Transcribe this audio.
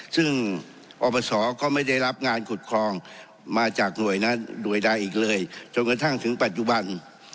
ซึ่งอปศก็ไม่ได้รับงานขุดคลองมาจากหน่วยใดอีกเลยจนกระทั่งถึงปัจจุบัน